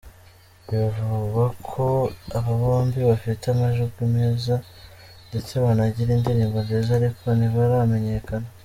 Bivugwa ko aba bombi bafite amajwi meza ndetse banagira indirimbo nziza ariko ntibaramenyekana.